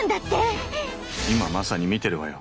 今まさに見てるわよ。